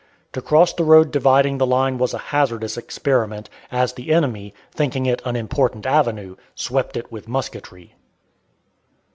To cross the road dividing the line was a hazardous experiment, as the enemy, thinking it an important avenue, swept it with musketry.